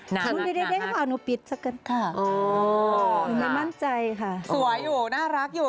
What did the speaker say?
อ๋อเหมือนกันเหมือนมั่นใจค่ะสวยอยู่น่ารักอยู่